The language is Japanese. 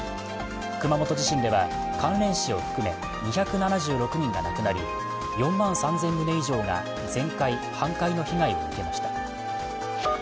熊本地震では関連死を含め２７６人が亡くなり、４万３０００棟以上が全壊、半壊の被害を受けました。